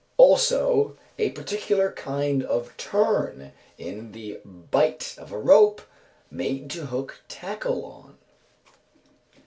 Also a particular kind of turn in the bight of a rope made to hook tackle on.